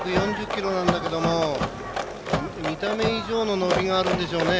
１４０キロなんだけども見た目以上の伸びがあるんでしょうね。